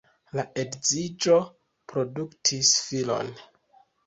La edziĝo produktis filon.